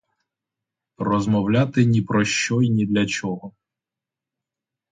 Розмовляти ні про що й ні для чого.